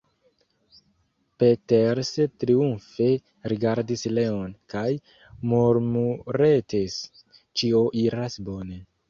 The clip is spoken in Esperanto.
Peters triumfe rigardis Leon kaj murmuretis: Ĉio iras bone.